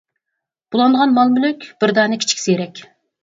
بۇلانغان مال مۈلۈك بىر دانە كىچىك زېرەك.